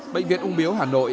bệnh viện ung biếu hà nội